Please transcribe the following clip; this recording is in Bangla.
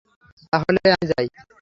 তাহলে আমি যাই?